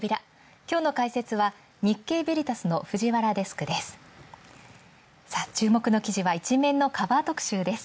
今日の解説は、日経ヴェリタスの藤原デスクです。